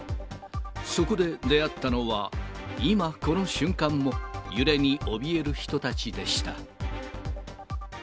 そこで出会ったのは、今、この瞬間も、揺れにおびえる人たちでした。